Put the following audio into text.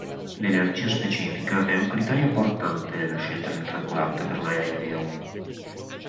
L'energia specifica è un criterio importante nella scelta del carburante per un aereo.